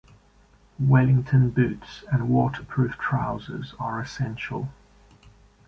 Wellington boots and waterproof trousers are essential.